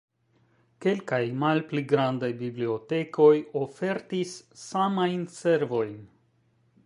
Kelkaj malpli grandaj bibliotekoj ofertis samajn servojn.